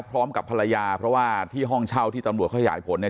พร้อมกับภรรยาเพราะว่าที่ห้องเช่าที่ตำรวจขยายผลเนี่ย